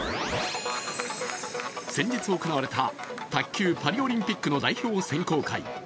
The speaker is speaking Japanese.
先日、行われた卓球パリオリンピックの代表選考会。